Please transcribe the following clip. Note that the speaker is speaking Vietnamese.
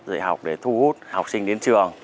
dạy học để thu hút học sinh đến trường